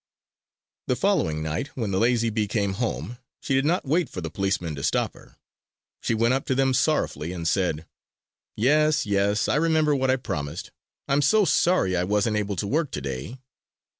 The following night, when the lazy bee came home, she did not wait for the policemen to stop her. She went up to them sorrowfully and said: "Yes, yes! I remember what I promised. I'm so sorry I wasn't able to work today!"